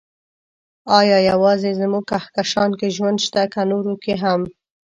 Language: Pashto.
ايا يوازې زموږ کهکشان کې ژوند شته، که نورو کې هم؟